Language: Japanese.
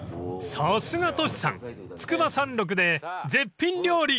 ［さすがトシさん筑波山麓で絶品料理！